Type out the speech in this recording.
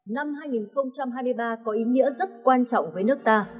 năm hai nghìn hai mươi ba có ý nghĩa rất quan trọng với nước ta